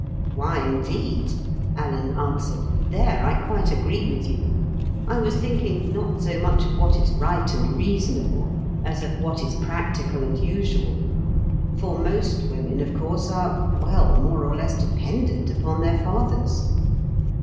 "Why, indeed?" Alan answered. "There I quite agree with you. I was thinking not so much of what is right and reasonable as of what is practical and usual. For most women, of course, are—well, more or less dependent upon their fathers."